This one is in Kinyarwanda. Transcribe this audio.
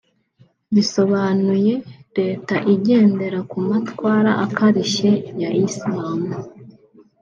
bisobanuye “Leta igendera ku matwara akarishye ya Islam”